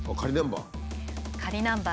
仮ナンバー。